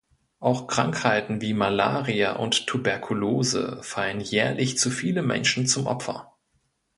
Auch Krankheiten wie Malaria und Tuberkulose fallen jährlich zu viele Menschen zum Opfer.